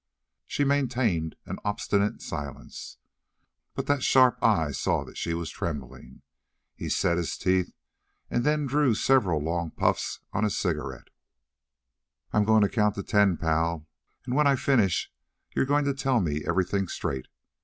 She maintained an obstinate silence, but that sharp eye saw that she was trembling. He set his teeth and then drew several long puffs on his cigarette. "I'm going to count to ten, pal, and when I finish you're going to tell me everything straight.